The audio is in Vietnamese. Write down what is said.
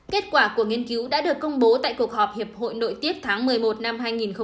kết quả của nghiên cứu đã được công bố tại cuộc họp hiệp hội nội tiết tháng một mươi một năm hai nghìn một mươi chín